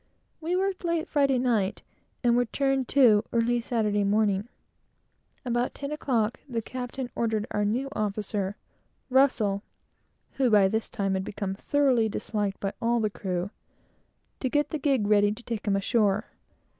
We worked late Friday night, and were turned to early Saturday morning. About ten o'clock the captain ordered our new officer, Russell, who by this time had become thoroughly disliked by all the crew, to get the gig ready to take him ashore.